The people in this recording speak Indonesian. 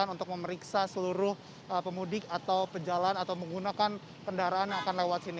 untuk memeriksa seluruh pemudik atau pejalan atau menggunakan kendaraan yang akan lewat sini